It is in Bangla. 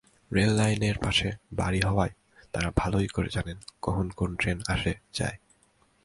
রেললাইনের পাশে বাড়ি হওয়ায় তাঁরা ভালো করেই জানেন, কখন কোন ট্রেন আসে-যায়।